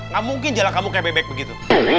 ga mungkin jalan kamu kayak bebek begitu